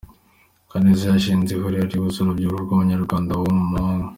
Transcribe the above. Kaneza yashinze ihuriro rihuza urubyiruko rw’Abanyarwanda baba mu mahanga